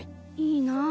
いいなぁ